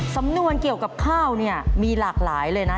สำนวนเกี่ยวกับข้าวเนี่ยมีหลากหลายเลยนะ